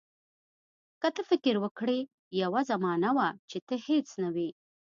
که ته فکر وکړې یوه زمانه وه چې ته هیڅ نه وې.